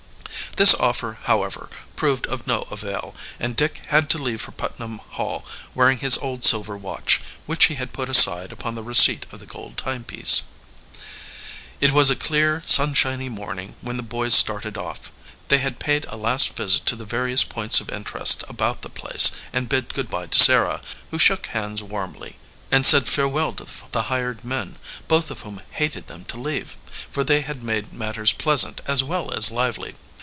This offer, however, proved of no avail, and Dick had to leave for Putnam Hall wearing his old silver watch, which he had put aside upon the receipt of the gold timepiece. It was a clear, sun shiny morning when the boys started off. They had paid a last visit to the various points of interest about the place and bid good by to Sarah, who shook hands warmly, and said farewell to the hired men, both of whom hated them to leave, for they had made matters pleasant as well as lively.